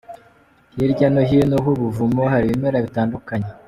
Hirya no hino h'ubuvumo hari ibimera bitandukanye.